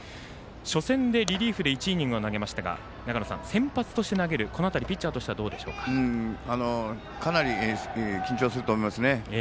初戦でリリーフで１イニング投げましたが先発として投げるこの辺り、ピッチャーとしてはかなり緊張すると思います。